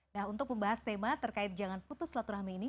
nah untuk membahas tema terkait jangan putus selaturahmi ini